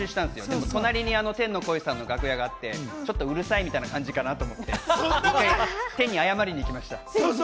でも隣に天の声さんの楽屋があって、うるさいみたいな感じかなと思って、天に謝りに行きました。